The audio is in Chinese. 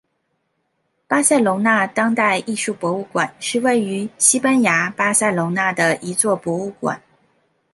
巴塞隆纳当代艺术博物馆是位于西班牙巴塞隆纳的一座博物馆。